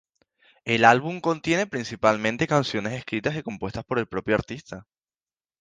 El álbum contiene principalmente canciones escritas y compuestas por el propio artista.